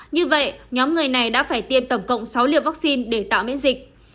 như vậy nhóm người này đã phải tiêm tổng cộng sáu liều vaccine để tạo miễn dịch